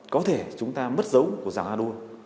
có thể chúng ta mất dấu của giang anua